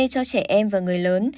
cho trẻ em và người lớn